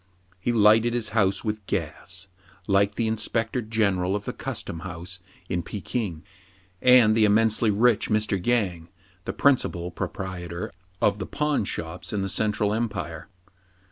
He lighted his house with gas, like the inspector general of the custom house in Pekin, and the immensely rich Mr. Yang, the principal proprietor of the pawn shops in the Central Empire.